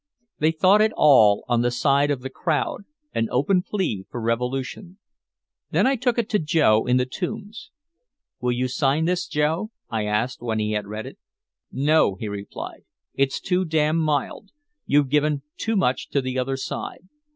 They thought it all on the side of the crowd, an open plea for revolution. Then I took it to Joe in the Tombs. "Will you sign this, Joe?" I asked, when he had read it. "No," he replied. "It's too damn mild. You've given too much to the other side.